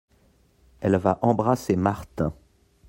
Elle va embrasser Marthe.